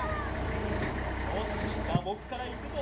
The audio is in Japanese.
よしじゃあぼくからいくぞ！